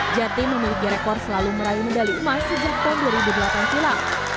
jati memiliki rekor selalu meraih medali emas sejak tahun dua ribu delapan silam